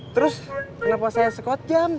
terus kenapa saya skot jam